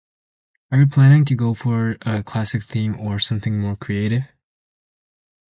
Are you planning to go for a classic theme or something more creative?